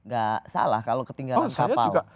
gak salah kalau ketinggalan kapal